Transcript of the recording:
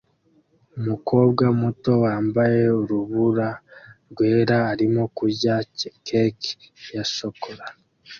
Umukobwa muto wambaye urubura rwera arimo kurya cake ya shokora